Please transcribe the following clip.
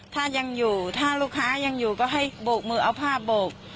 ถ้ายังอยู่ถ้าลูกค้ายังอยู่ก็ให้โบกมือเอาผ้าโบก